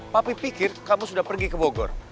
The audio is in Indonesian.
tapi pikir kamu sudah pergi ke bogor